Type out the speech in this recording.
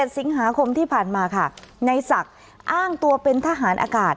สิงหาคมที่ผ่านมาค่ะในศักดิ์อ้างตัวเป็นทหารอากาศ